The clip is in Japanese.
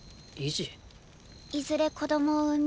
いずれ子供を産み